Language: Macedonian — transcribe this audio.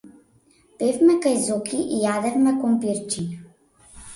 Бевме кај Зоки и јадевме компирчиња.